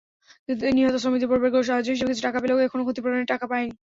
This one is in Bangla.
নিহত শ্রমিকদের পরিবারগুলো সাহায্য হিসেবে কিছু টাকা পেলেও এখনো ক্ষতিপূরণের টাকা পায়নি।